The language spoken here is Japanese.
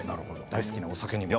大好きなお酒にも。